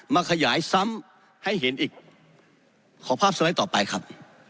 มาขยายซ้ำให้เห็นอีกขอภาพสไลด์ต่อไปครับ